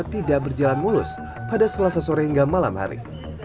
tidak berjalan mulus pada selasa sore hingga malam hari